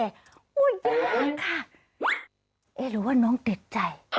เอ๊หรือว่าน้องติดใจ